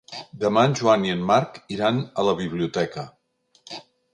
Demà en Joan i en Marc iran a la biblioteca.